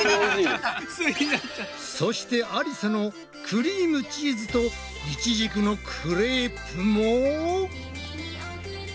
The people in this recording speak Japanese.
そしてありさのクリームチーズとイチジクのクレープも。